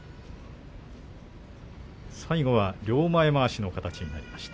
最後は両前まわしの形になりました。